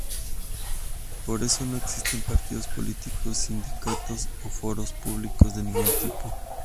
Por eso no existen partidos políticos, sindicatos o foros públicos de ningún tipo.